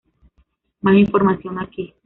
Más información aquí.